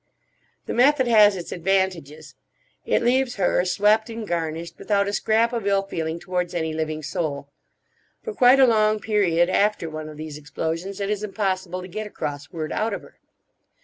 The method has its advantages. It leaves her, swept and garnished, without a scrap of ill feeling towards any living soul. For quite a long period after one of these explosions it is impossible to get a cross word out of her.